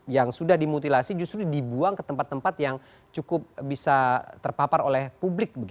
yang sudah dimutilasi justru dibuang ke tempat tempat yang cukup bisa terpapar oleh publik